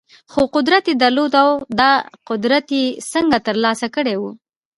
خو قدرت يې درلود او دا قدرت يې څنګه ترلاسه کړی و؟